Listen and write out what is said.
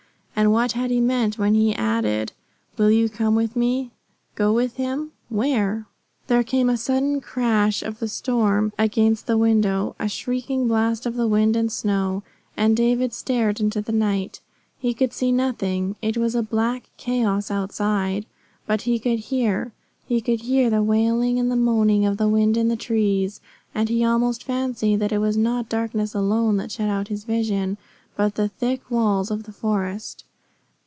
And what had he meant when he added, "Will you come with me"? Go with him? Where? There came a sudden crash of the storm against the window, a shrieking blast of wind and snow, and David stared into the night. He could see nothing. It was a black chaos outside. But he could hear. He could hear the wailing and the moaning of the wind in the trees, and he almost fancied that it was not darkness alone that shut out his vision, but the thick walls of the forest.